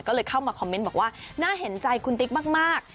ก็เลยเข้ามาคอมเมนต์บอกว่าน่าเห็นใจคุณติ๊กมาก